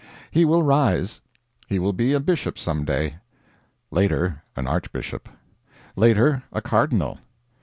He will rise. He will be a bishop some day. Later an Archbishop. Later a Cardinal.